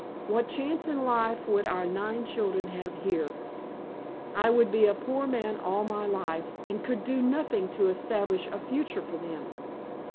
What chance in life would our nine children have here? I would be a poor man all my life, and could do nothing to establish a future for them.